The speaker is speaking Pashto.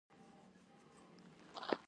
ما پر دې موضوع پينځه ويشت کاله څېړنې وکړې.